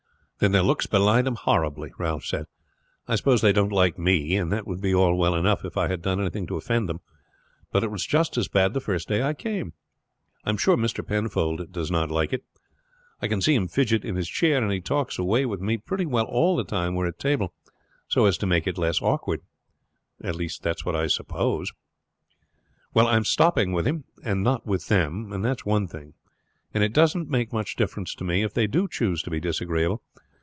"Then their looks belie them horribly," Ralph said. "I suppose they don't like me; and that would be all well enough if I had done anything to offend them, but it was just as bad the first day I came. I am sure Mr. Penfold does not like it. I can see him fidget on his chair; and he talks away with me pretty well all the time we are at table, so as to make it less awkward, I suppose. Well, I am stopping with him, and not with them, that's one thing; and it doesn't make much difference to me if they do choose to be disagreeable.